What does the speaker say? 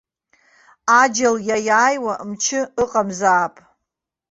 Аџьал иаиааиуа мчы ыҟамзаап!